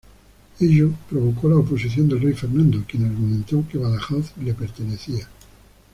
Ello provocó la oposición del rey Fernando, quien argumentó que Badajoz le pertenecía.